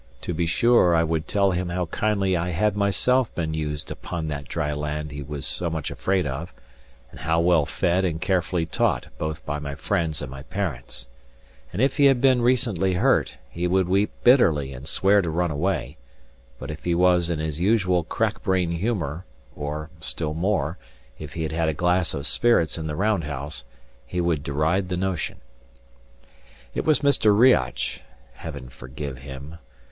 To be sure, I would tell him how kindly I had myself been used upon that dry land he was so much afraid of, and how well fed and carefully taught both by my friends and my parents: and if he had been recently hurt, he would weep bitterly and swear to run away; but if he was in his usual crackbrain humour, or (still more) if he had had a glass of spirits in the roundhouse, he would deride the notion. It was Mr. Riach (Heaven forgive him!)